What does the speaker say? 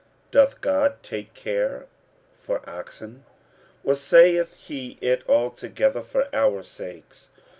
Doth God take care for oxen? 46:009:010 Or saith he it altogether for our sakes?